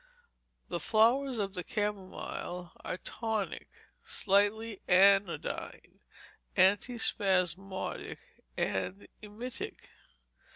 The flowers of the camomile are tonic, slightly anodyne, antispasmodic, and emetic.